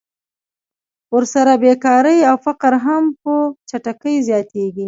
ورسره بېکاري او فقر هم په چټکۍ زیاتېږي